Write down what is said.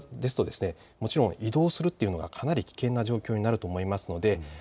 こういった状況ですと移動するというのがかなり危険な状況になると思います。